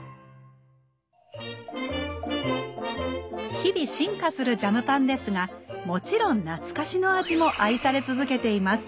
日々進化するジャムパンですがもちろん懐かしの味も愛され続けています。